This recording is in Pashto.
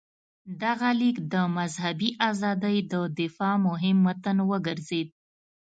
دغه لیک د مذهبي ازادۍ د دفاع مهم متن وګرځېد.